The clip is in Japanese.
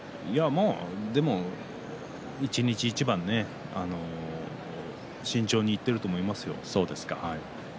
でも、一日一番ね慎重にいっていると思いますよ。